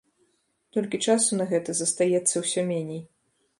Толькі часу на гэта застаецца ўсё меней.